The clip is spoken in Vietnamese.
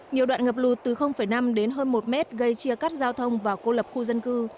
nhiều đoạn ngập lụt từ năm đến hơn một mét gây chia cắt giao thông và cô lập khu dân cư